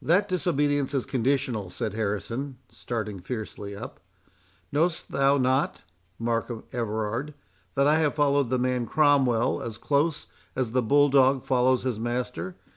"That obedience is conditional," said Harrison, starting fiercely up. "Know'st thou not, Markham Everard, that I have followed the man Cromwell as close as the bull dog follows his master?